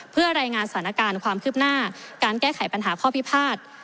เพื่อรายงานสถานการณ์ความคืบหน้าการแก้ไขปัญหาข้อพิพาท